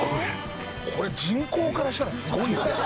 「これ人口からしたらすごいよ」